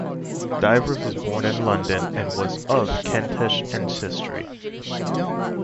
Divers was born in London and was of Kentish ancestry.